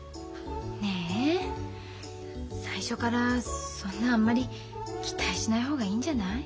ねえ最初からそんなあんまり期待しない方がいいんじゃない？